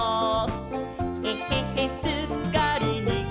「えへへすっかりにっこりさん！」